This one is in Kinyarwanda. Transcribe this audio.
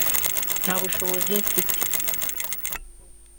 nta bushobozi mfite